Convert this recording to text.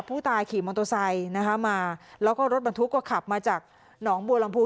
ผู้ตายขี่มอเตอร์ไซค์นะคะมาแล้วก็รถบรรทุกก็ขับมาจากหนองบัวลำพู